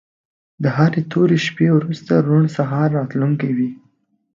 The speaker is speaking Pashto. د هرې تورې شپې وروسته روڼ سهار راتلونکی وي.